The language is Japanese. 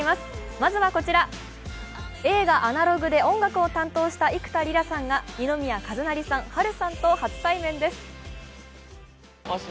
まずはこちら、映画「アナログ」で音楽を担当した幾田りらさんが二宮和也さん、波瑠さんと初対面です。